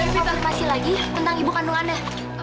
kamu mau ngomongin masih lagi tentang ibu kandung anda